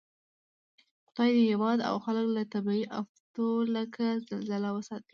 خدای دې هېواد او خلک له طبعي آفتو لکه زلزله وساتئ